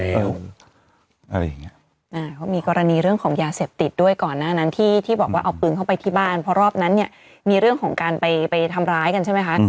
เขามีกรณีเรื่องของยาเสพติดด้วยก่อนหน้านั้นที่ที่บอกว่าเอาปืนเข้าไปที่บ้านเพราะรอบนั้นเนี่ยมีเรื่องของการไปทำร้ายกันใช่ไหมคะ